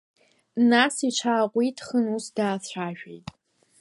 Нас иҽааҟәиҭхан, ус даацәажәеит…